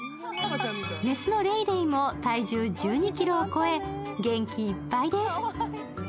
雌のレイレイも体重１２ｋｇを超え、元気いっぱいです。